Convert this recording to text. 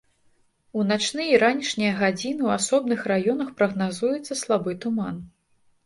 У начныя і ранішнія гадзіны ў асобных раёнах прагназуецца слабы туман.